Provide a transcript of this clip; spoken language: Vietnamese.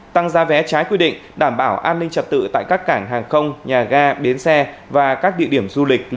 tăng giá vé trái quy định đảm bảo an ninh trật tự tại các cảng hàng không nhà ga biến xe và các địa điểm du lịch lễ hội lớn